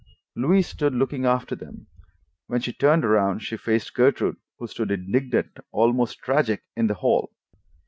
Louise stood looking after them. When she turned around she faced Gertrude, who stood indignant, almost tragic, in the hall.